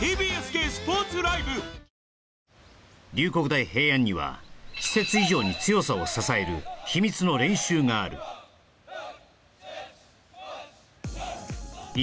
大平安には施設以上に強さを支える秘密の練習がある６７８